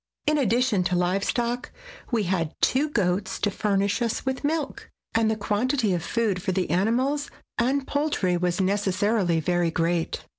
In addition to live stock, we had two goats to furnish us with milk, and the quantity of food for the animals and poultry was necessarily very great.